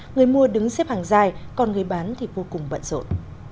người mua đứng xếp hàng dài còn người bán thì vô cùng bận rộn